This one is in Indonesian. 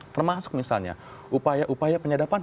termasuk misalnya upaya upaya penyadapan